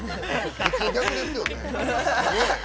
普通、逆ですよね？